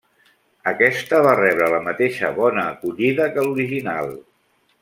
Aquesta va rebre la mateixa bona acollida que l’original.